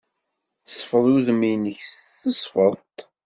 Sfeḍ udem-nnek s tesfeḍt.